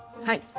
はい。